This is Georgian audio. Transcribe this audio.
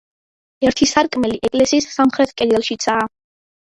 ერთი სარკმელი ეკლესიის სამხრეთ კედელშიცაა.